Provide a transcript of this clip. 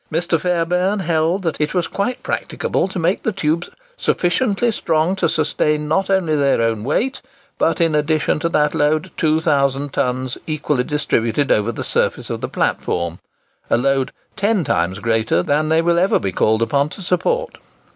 Mr. Fairbairn held that it was quite practicable to make the tubes "sufficiently strong to sustain not only their own weight, but, in addition to that load, 2000 tons equally distributed over the surface of the platform,—a load ten times greater than they will ever be called upon to support."